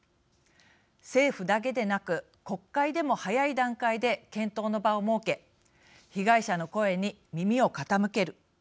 政府だけでなく、国会でも早い段階で検討の場を設け被害者の声に耳を傾ける。